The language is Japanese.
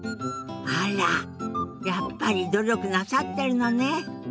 あらやっぱり努力なさってるのね。